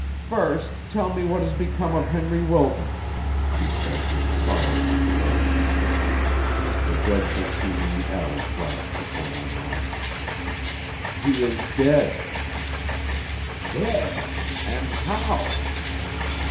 "First tell me what has become of Henry Wilton?" she said with sorrow in her voice. The dreadful scene in the alley flashed before my mind. "He is dead." "Dead! And how?"